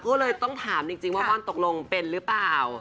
ก็เลยต้องถามจริงว่าม่อนตกลงเป็นหรือเปล่า